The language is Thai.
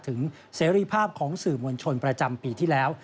เสรีภาพของสื่อมวลชนประจำปีที่แล้ว